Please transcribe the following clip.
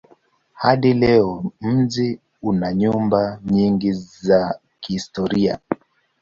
Hadi leo mji una nyumba nyingi za kihistoria.